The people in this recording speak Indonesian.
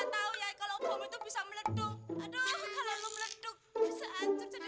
bapak kok begitu sih be